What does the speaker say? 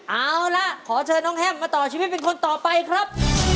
เอาละขอเชิญน้องแฮมมาต่อชีวิตเป็นคนต่อไปครับ